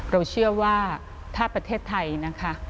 เราเชื่อว่าถ้าประเทศไทยนะคะ